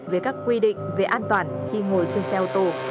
về các quy định về an toàn khi ngồi trên xe ô tô